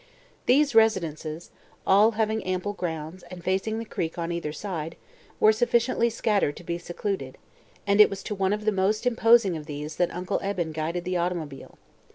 These residences, all having ample grounds and facing the creek on either side, were sufficiently scattered to be secluded, and it was to one of the most imposing of these that Uncle Eben guided the automobile.